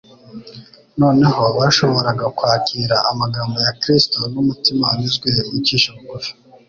Noneho bashoboraga kwakira amagambo ya Kristo n'umutima unyuzwe wicisha bugufi.